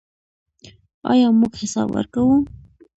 آیا موږ حساب ورکوو؟